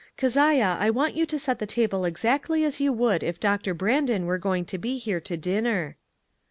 Keziah, I want you to set the table exactly as you would if Doctor Brandon were going to be here to dinner."